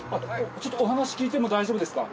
ちょっとお話聞いても大丈夫ですか？